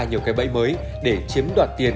nhiều cái bẫy mới để chiếm đoạt tiền